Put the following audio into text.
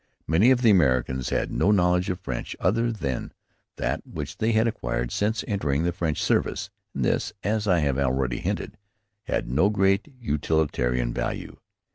Many of the Americans had no knowledge of French other than that which they had acquired since entering the French service, and this, as I have already hinted, had no great utilitarian value.